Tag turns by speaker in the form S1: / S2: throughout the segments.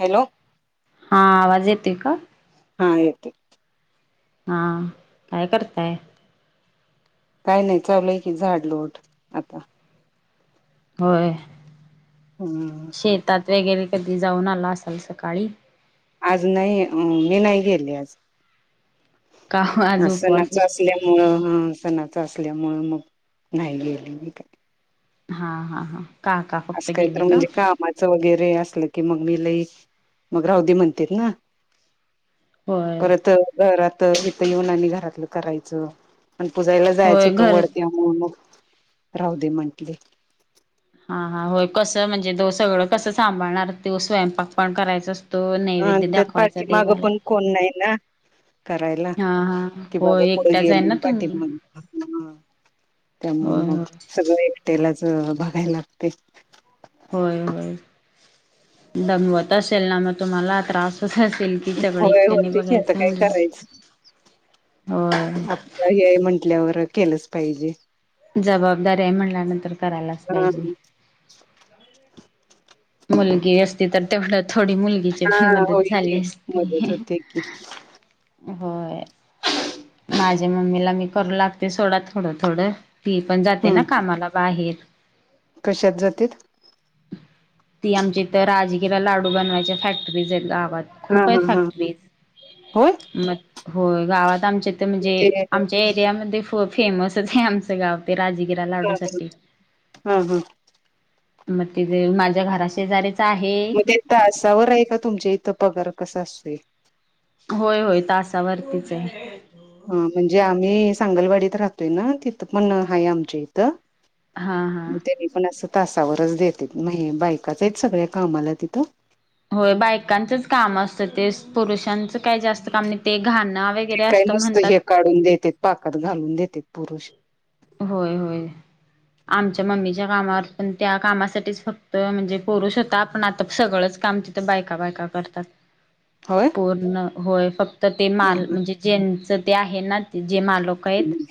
S1: Hello!
S2: हा आवाज येतोय का?
S1: हा येत.
S2: हा काय करताय?
S1: काय नाही चालुलंय की झाड लोट आता.
S2: होय.
S1: हम!
S2: शेतात वगैरे कधी जाऊन आला असाल सकाळी.
S1: आज नाही मी नाही गेली आज
S2: का आज
S1: आ
S2: उपवास
S1: सनाच
S2: असतोय?
S1: असल्यामुळ मुळ ह सणाच असल्यामुंळ मग नाही गेले काय‌.
S2: हा हा हा का का
S1: असं
S2: फक्त
S1: काही
S2: गेले
S1: तर
S2: का?
S1: म्हणजे कामाचं वगैरे असलं की मग मी लई मग रावदी म्हणते ना.
S2: होय
S1: परत घराआता इथ येऊन आणि घरातलं करायचं. पण पुजायला जायच
S2: होय
S1: होतं
S2: घर
S1: वड त्यामुळे मग राह दे म्हटले.
S2: हा हा होय कसं म्हणजे तो सगळं कसं सांभाळणार त स्वयंपाक पण करायच.
S1: हा तर पाठी मागं पण कोण नाही ना! करायला
S2: हा हा
S1: कि बाबा
S2: होय
S1: पुढे
S2: एकट्याच आहे
S1: गेल
S2: ना
S1: मी
S2: तुम्ही?
S1: पाठीमाग त्यामुळ
S2: होय
S1: मग सगळं एकटेलाच बघायला लागते.
S2: होय होय दमवत असेल ना मग तुम्हाला त्रास होतच. सेल्की सगळं
S1: होय
S2: एकट्याने
S1: होते की आता
S2: बघायचं
S1: काय
S2: म्हणजे
S1: करायचं.
S2: हो.
S1: घरी हाय म्हटल्यावर केलंच पाहिजे.
S2: जबाबदारी आहे म्हणल्यानंतर करायलाच
S1: हा
S2: पाहिजे. मुलगी असती तर तेवढं थोडी मुलगी
S1: हा
S2: पण मदत
S1: होय की
S2: झाली
S1: मदत
S2: असती.
S1: होते की.
S2: होय माझ्या मम्मीला मी करू लागते सोडा थोडं थोडं. ती पण जाते ना
S1: हम्म
S2: कामाला बाहेर.
S1: कशात जातेत?
S2: ती आमच्या इथ राजगिला लाडू बनवायच्या फॅक्टरीचे गावात.
S1: हा
S2: खूप आहे
S1: हा हा हा
S2: फॅक्टरीज
S1: होय
S2: म होय गावात आमच्या इथं म्हणजे
S1: ते
S2: आमच्या एरियामध्ये फ- फेमसच आहे आमचं गाव. ते राजगिरा
S1: हा
S2: लाडुसाठी.
S1: हा हा
S2: मग ति जे माझ्या घरा शेजारी्याचा आहे.
S1: मग ते तासावर आहे का तुमच्या इथं पगार कसा असतोय?
S2: होय होय तासावरतीच आहे.
S1: हा म्हणजे आम्ही सांगलवाडीत राहतोय ना तिथं पण आहे आमचे. त
S2: हा हा.
S1: मग त्यांनी आपण असं तासावरच देते म्ह बायकाच सगळ्या कामाला तिथं.
S2: होय बायकांचंच काम असतं ते पुरुषांचं काही जास्त काम निघ ते घाणं
S1: ते
S2: वगैरे
S1: काय
S2: असतं
S1: नुसतं
S2: म्हणतात.
S1: हे काढून देतेेत पाकात घालून देते पुरुष.
S2: होय होय. आमच्या मम्मीच्या कामावर पण त्या कामासाठीच फक्त म्हणजे पुरुष होता, आपण आता सगळंच काम ते बायका बायका करतात.
S1: होय.
S2: पूर्ण होय फक्त ते माल
S1: हम्म
S2: म्हणजे ज्यांच ते आहे ना जे मालक आहेत
S1: हम्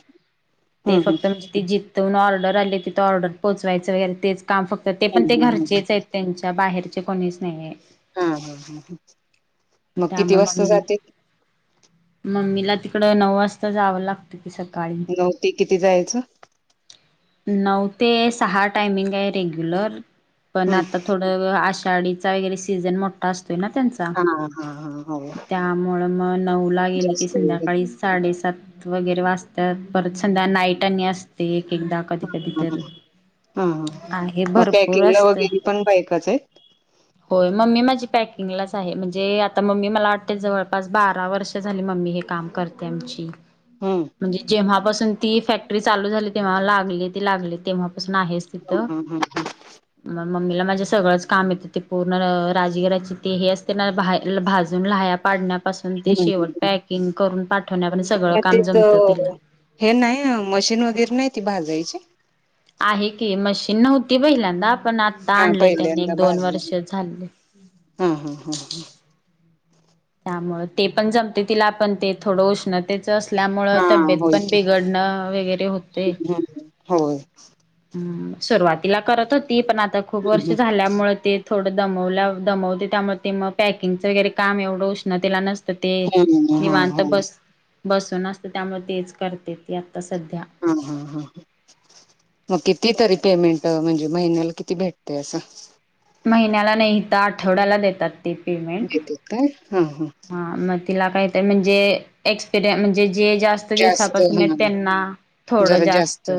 S2: ते फक्त म्हणजे ती जिथून ऑर्डर आली तिथ ऑर्डर पोचवायचं वगैरे तेच काम फक्त. तर ते पण ते
S1: हम्म हम्म
S2: घरचेच आहेत त्यांच्या बाहेरचे कोणीच नाही आहे.
S1: हा ह मग किती
S2: त्यामुळे
S1: वाजता
S2: मम्मी
S1: जातील?
S2: मम्मीला तिकड नऊ वाजता जावं लागत की सकाळी.
S1: नऊ ते किती जायचं?
S2: नऊ ते सहा टायमिंग आहे रेग्युलर पण
S1: हम्म.
S2: आता थोडं आषाढीचा वगैरे सीझन मोठा असतोय ना त्यांचा.
S1: हा हा हा हो
S2: त्यामुळ मग नऊ ला गेली की
S1: जास्त वेळ घेत.
S2: संध्याकाळी साडेसात वगैरे वाचतात परत संध्या नाईटनी असते एक एकदा. कधी कधी
S1: हा
S2: तर
S1: हा. हा
S2: हे
S1: मग
S2: भरपूर
S1: पॅकिंगला
S2: असत.
S1: वगैरे पण बायकाच आहेत
S2: होय मम्मी माझी पॅकिंगलाच आहे म्हणजे आता मम्मी मला वाटते जवळपास बारा वर्ष. अ झाली मम्मी हे काम करते आमची.
S1: हम्म
S2: म्हणजे जेव्हापासून ती फॅक्टरी चालू झाली तेव्हा लागली ते लागले तेव्हा पासून आहेच तिथं.
S1: हम्म हम्म.
S2: मग मम्मीला माझे सगळंच काम येतं ते पूर्ण राजगिराची ते हे असते ना भाजून लहाया. पाडण्यापासून ते
S1: हम्म
S2: शेवट
S1: हम्म
S2: पॅकिंग करून पाठवण्या पर्यंत सगळं
S1: मग
S2: काम
S1: तेच
S2: जमतं तिला.
S1: हे नाही मशीन वगैरे नाही ती भाजायची?
S2: आहे की मशीन नव्हती पहिल्यांदा आपण आता
S1: हा
S2: आणले त्यांनी एक
S1: पहिल्यांदा
S2: दोन
S1: भाजली
S2: वर्ष झाले.
S1: हा हां हां हां.
S2: त्यामुळ ते पण जमते तिला आपण ते थोडं उष्ण तेच असल्यामुळे
S1: हा
S2: तब्येत
S1: होय
S2: पण
S1: की.
S2: बिघडणं वगैरे होते.
S1: हम्म होय
S2: हम् सुरुवातीला करत होती पण आता खूप वर्ष
S1: हम्म
S2: झाल्यामुळे ते थोडं दमवल्या दमवते त्यामुळे ते मग पॅकिंगचं वगैरे काम एवढं उष्णतेला नसतं. तर ते
S1: हम्म हा
S2: निवांत
S1: होय.
S2: बस बसून असत त्यामुळे तेच करते ते आता सध्या.
S1: हा हा हा ह. मग किती तरी पेमेंट म्हणजे महिन्याला किती भेटते असं?
S2: महिन्याला नाही तर आठवड्याला देतात ते पेमेंट
S1: देतेत काय हा
S2: हा मग तिला काय ते म्हणजे एक्सपी म्हणजे जे जास्त. आच दिवसापासून आहे त्यांना थोडं जास्त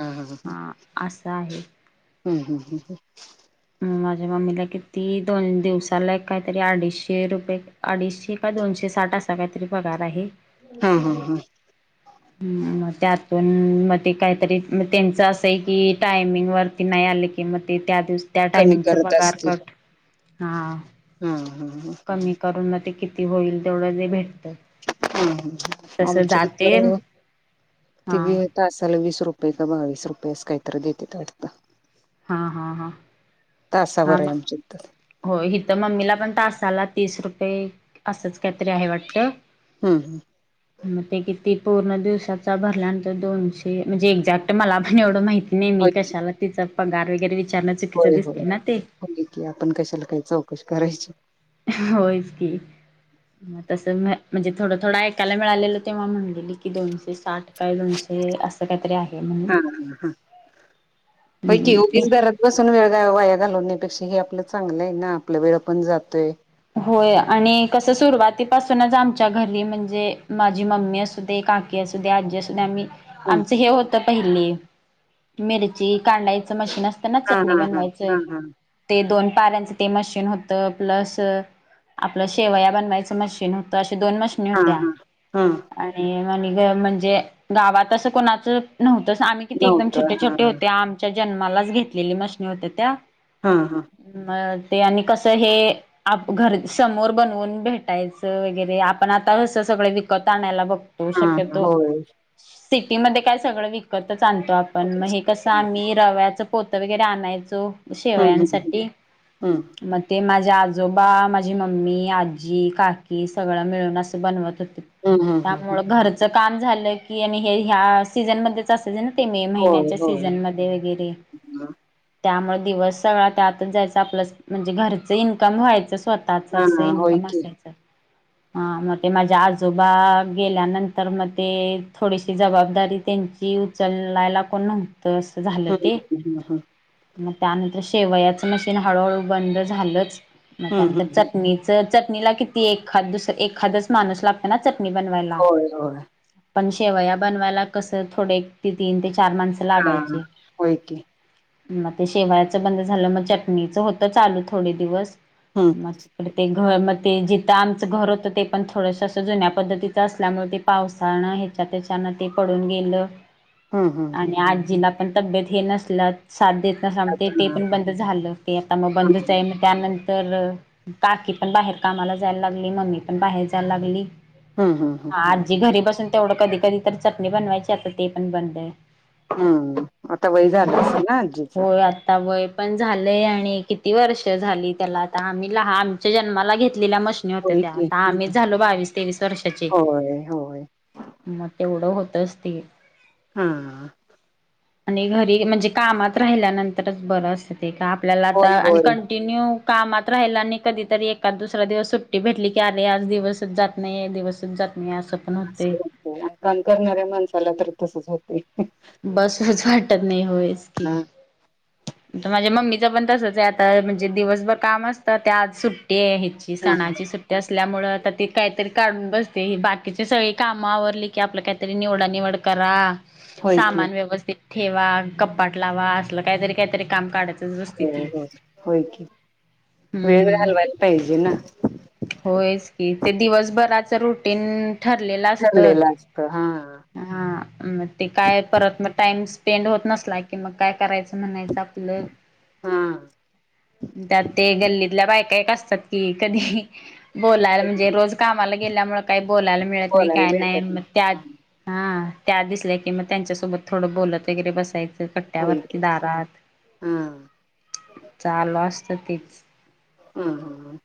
S1: हा हा
S2: ह असं आहे.
S1: हं हं ह ह
S2: माझ्या मम्मीला किती दोन दिवसाला एक काहीतरी अडीचशे रुपये. अडीचशे का दोनशे साठ असा काहीतरी पगार आहे.
S1: हा हा हा
S2: मग त्यातून मग ते काहीतरी त्यांचं असं आहे की टायमिंग वरती नाही आले की कि म ते त्या दिवस. त्या
S1: कमी
S2: टाइमिंगच
S1: करत
S2: पगार
S1: असतील
S2: कट हा
S1: हा हा
S2: कमी. करूना ते किती होईल तेवढं जे भेटतात.
S1: आमच इ तर
S2: हा
S1: त बी [unintelligible] तासला वीस रुपये का बावीस रुपये अस काहीतरी देतात वाटंत.
S2: हा हा हा हा
S1: तासावर आहे
S2: मग
S1: आमच्या इथ.
S2: हो हिथं मम्मीला पण तासाला तीस रुपये असंच काहीतरी आहे वाटतं.
S1: हं ह
S2: ह मग ते किती पूर्ण दिवसाचा भरल्यानंतर दोनशे म्हणजे एक्झॅक्ट मला पण एवढं माहिती. नेहमी
S1: होय
S2: कशाला तिचा पगार वगैरे विचारणं चुकीचं दिसते ना ते.
S1: हो की आपण कशाला काही चौकशी करायची.
S2: होच की. मग तसं नाय म्हणजे थोडं थोडं ऐकायला मिळालेलं तेव्हा म्हणलेली की दोनशे साठ काय दोनशे. ते असं काहीतर आहे म्हणून
S1: हा हा हा होय की
S2: हम्.
S1: उगीच घरात बसून वेळ वाया घालवण्यापेक्षा हे आपलं चांगलं आहे ना आपलं वेळ पण जातोय.
S2: होय आणि कसं सुरुवातीपासूनच आमच्या घरी म्हणजे माझी मम्मी असु दे का ''--'' की असू दे आजी असू दे आम्ही.
S1: हं
S2: आमचं हे होतं पहिली मिरची कांडायचं मशीन असत. ना
S1: हा
S2: चटणी
S1: हा हा
S2: बनवायच
S1: हा
S2: ते दोन पाऱ्यांच ते मशीन होतं प्लस. आपलं शेवया बनवायचं मशीन होतं अशी दोन मशीनी
S1: हा हा
S2: होत्या.
S1: हा हा
S2: आणि म्ह ग म्हणजे गावात असं कोणाचं. नव्हतंस आम्ही किती एकदम
S1: नव्हतं
S2: छोटे
S1: हा
S2: छोटे होते आमच्या जन्मालाच घेतलेली मशणी होत त्या.
S1: ''हां ''हां''
S2: मग ते आणि कसं हे. आप घर समोर बनवून भेटायचं वगैरे आपण आता असं सगळं विकत आणायला बघो''--'' तो
S1: हा हा
S2: शक्यतो
S1: होय.
S2: सिटी काय सगळं विकत. कतच आणतो आपण मग हे कसं आम्ही रव्याचं पोतं वगैरे आणायचो.
S1: हम्म हम्म
S2: शेवयांसाठी
S1: हम्म
S2: मग ते माझ्या आजो ''--'' जो बा माझी मम्मी आजी काकी सगळं मिळून असं बनवत होते.
S1: हम्म हम्म हम्म हम्म. हम्म
S2: त्यामुळे घरच काम झालं की आणि हे ह्या सीझनमध्ये. तसं ज ना ते
S1: होय
S2: महिन्याच्या
S1: होय
S2: सीझन मध्ये वगैरे. त्यामुळे दिवस सगळा त्यातच जायच आपलं म्हणजे घरच इन्कम व्हायचं स्वतः''--'' त्याच असं
S1: हा होय
S2: इन्कम
S1: की.
S2: असायचं. हा मग ते माझ्या आजोबा गेल्यानंतर मग ते थोडीशी जबाबदारी त्यांची. ती उचलयला कोण नव्हत अस झालं
S1: हम्म
S2: ते.
S1: हम्म हम्म
S2: मग त्यानंतर शेवयाचं मशीन हळूहळू बंद झालंच मग
S1: हम्म हम्म
S2: त्यानंतर
S1: हम्म
S2: चटणी. चटणीला किती एखाद दुस एखादच माणूस लागत ना चटणी बनवायला.
S1: होय होय.
S2: पण शेवया बनवायला कसं थोडे ते तीन ते चार माणसं
S1: हा
S2: लागायची.
S1: होय की.
S2: मग ते शेवायाचं बंद झालं मग चटणीच होतं चालू थोडे दिवस
S1: हम्म
S2: मग. तर ते घर मग ते जिथ आमचं घर होतं ते पण थोडस असं जुन्या पद्धतीचं असल्यामुळे ते. पावसान ह्याच्या त्याच्यान ते पडून गेलं.
S1: हम्म हम्म हम्म.
S2: आणि आजीला पण तब्येत हे नसल. साथ देतना सांगते ते पण
S1: अच्छा.
S2: बंद झालं होते आता मग बंदच
S1: हम्म
S2: आहे म त्यानंतर. तर काकी पण बाहेर कामाला जायला लागली मम्मी पण बाहेर जायला लागली.
S1: हम्म हम्म.
S2: हा आजी घरी बसून तेवढं कधी कधी तर चटणी बनवायची आता ते पण बन आहे.
S1: हं आता वय झाला असेल ना आजीचं.
S2: ता वय पण झालेय आणि किती वर्ष झालीत. आता आम्ही लहा आमच्या जन्माला घेतलेल्या मस्''--'' होत
S1: होय
S2: त्या आता
S1: की
S2: आम्हीच झालो बावीस तेवीस वर्षाचे.
S1: होय, होय.
S2: मग तेवढं होतच ते.
S1: हा,
S2: आणि घरी म्हणजे कामात राहिल्यानंतरच बरं असतं ते का आपल्याला आता
S1: होय,
S2: आणि
S1: होय.
S2: कंटिन्यू. कामात राहिला आणि कधीतरी एकाद दुसरा दिवस सुट्टी भेटली की अरे आज दिवसच जात. नाही दिवसच जात नाही असं. पण होते
S1: आणि काम करणाऱ्या माणसाला तर तसच होत.
S2: बसच वाटत नाही. होयस की
S1: हां,
S2: आता माझ्या मम्मीच पण तसच आहे आता. म्हणजे दिवसभर काम असता ते आज सुट्टी आहे ह्याची ती
S1: हां.
S2: सणाची सुट्ट ते असल्यामुळे आता ते काहीतरी काढून बसते. बाकीचे सगळी काम आवरली की आपल्या काय निवडा निवड करा.
S1: होय की.
S2: सामान व्यवस्थित ठेवा. कपाट लावा. असल काहीतरी काहीतरी काम काढत
S1: होय होय होय की वेळ
S2: हम्म
S1: घालवायला पाहिजे ना.
S2: होयच की ते दिवसभराच रुटीन ठरलेल असत.
S1: ठरलेलं असतं. हां.
S2: हा मग ते काय परत मग टाइम स्पेंड होत नसला की कि मग काय करायच म्हणायच आपल.
S1: हा
S2: त्यात ते गल्लीतल्या बायक बायका असत्यात की कधी बोलाय
S1: कधी
S2: म्हणजे रोज कामाला गेल्यामुळे काही बोलायला मिळत नाही
S1: बोलायला
S2: काय नाही.
S1: भेटत
S2: मग त्यात
S1: हां.
S2: हा त्या दिसल्या की मग त्यांच्यासोबत थोडं बोलत वगैरे बसायच
S1: होय की.
S2: कट्ट्यावरती दारात.
S1: हां,
S2: चालू असत तीच
S1: हम्म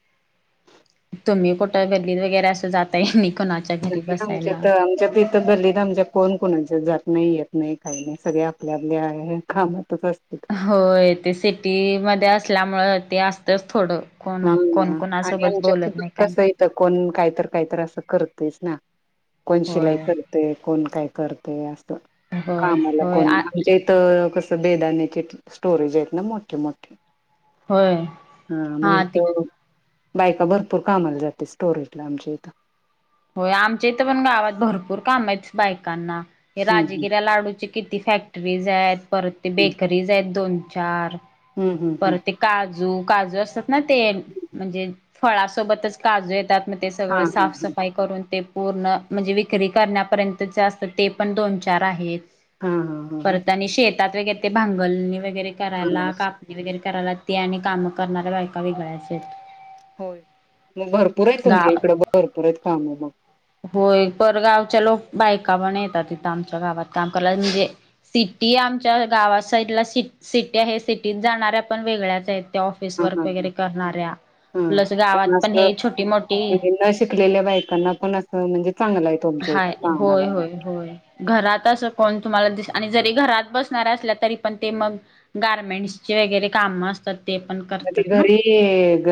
S2: तुम्ही कुठ गल्लीत वगैरे अस जाता नि कुणा
S1: कधी आमच्या त आमच्या बी इथं गल्लीत आमच्या कोण कोणाच्या जात नाही येत नाही काही नाही. सगळे आपल्या आपल्या कामातच असत्यात.
S2: होय ते सिटी मध्ये असल्यामुळे ते असतेच थोड.
S1: ह हा आणि आमच्या ख
S2: काय
S1: कस आहे तर कोण कायतर कायतर अस करतयच ना. कोण शिलाई
S2: होय
S1: करत ते कोण काय करतय अस.
S2: होय
S1: कामाला
S2: होय
S1: कोण
S2: आ
S1: म्हणजे तर कस बेदान्याचे स्टोरेज आहेत ना मोठे-मोठे.
S2: होय
S1: हा मही बायका भरपूर कामाला जाते स्टोरेजला आमच्या इथ.
S2: होय आमच्या इथ पण गावात भरपूर काम आहेत बायकांना‌ हे
S1: हम्म
S2: राजगिऱ्या लाडूचे किती फॅक्टरीज आहेत. परत ते
S1: हम्म
S2: बेकरीज आहेत दोन- चार.
S1: हम्म- हम्म-हम्म
S2: परत ते काजू काजू असतात ना ते. म्हणजे फळासोबतच काजू येतात. मग ते सगळ
S1: हा हा
S2: साफसफाई करून ते पूर्ण म्हणजे विक्री करण्यापर्यंतचे असतात ते पण दोन चार आहेत.
S1: हा हा हा
S2: परत आणि शेतात वगैरे ते भांगलणी वगैरे
S1: हा
S2: करायला
S1: हा
S2: काप वगैरे करायला ते आणि काम करणाऱ्या बायका वेगळ्याच आहेत.
S1: होय, मग भरपूर आहेत तुमच्या
S2: गावात
S1: इकड मग भरपूर आहेत काम मग.
S2: होय, परगावच्या लोक बायका पण येतात इथ आमच्या गावात काम करायला. म्हणजे सिटी आमच्या गावा साईडला सीट सिटी आहे. सिटीत जाणाऱ्या पण वेगळ्याच आहेत. त्या ऑफिस
S1: हा
S2: वर्क
S1: हा ह
S2: वैगरे करणाऱ्या
S1: हा
S2: प्लस गावात
S1: पण अस
S2: हे छोटी मोठी
S1: न शिकलेल्या बायकांना पण अस म्हणजे चांगल आहे तुमच्या इथ
S2: हाय
S1: कामात
S2: होय होय घरात अस कोण तुम्हाला दिस आणि जरी घरात बसणाऱ्या असल्या तरी पण ते मग गारमेंट्सचे वैगेरे काम असतात ते पण करतात ना.
S1: घरी ते ग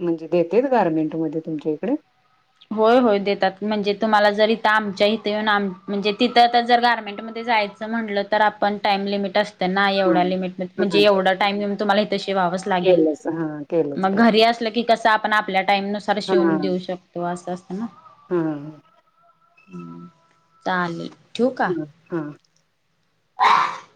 S1: म्हणजे देत्यात गारमेंट मध्ये तुमच्या इकडे?
S2: होय होय देतात. म्हणजे तुम्हाला जर इथ आमच्या इथ येऊन आम म्हणजे तिथ जर गारमेंट्समध्ये जायच म्हटलं तर आपण टाइम लिमिट असतना ना
S1: हा
S2: एवढ्या लिमिटमध्ये,
S1: हा
S2: म्हणजे एवढा टाम लिमट तुम्हाला हित शिवावच लागेल,
S1: केलंच हा केलंच
S2: मग
S1: पाहिजे
S2: घरी असल की कस आपण आपल्या टाईम नुसार
S1: हा
S2: शिवून देऊ शकतो. तो असं असताना.
S1: हा.
S2: चालेल ठीवू का?
S1: हा.
S2: [inaudible]